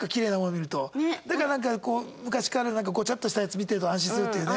だからなんか昔からゴチャッとしたやつ見てると安心するっていうね。